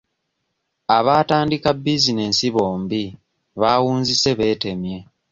Abaatandika bizinensi bombi baawunzise beetemye.